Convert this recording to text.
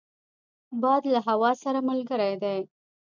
باد له هوا سره ملګری دی